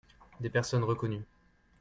des personnes reconnues.